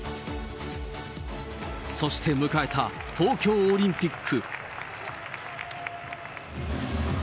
そして迎えた東京オリンピック。